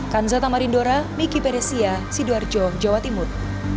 kanzata marindora miki peresia sidoarjo jawa timur